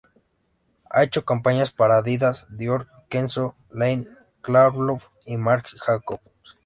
Ha hecho campañas para Adidas, Dior, Kenzo, Lane Crawford y Marc Jacobs.